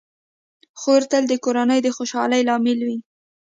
خور تل د کورنۍ د خوشحالۍ لامل وي.